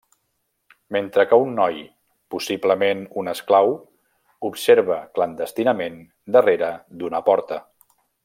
Mentre que un noi, possiblement un esclau, observa clandestinament darrere d'una porta.